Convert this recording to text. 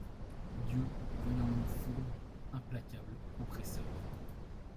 Dieu, voyant l’homme fourbe, implacable, oppresseur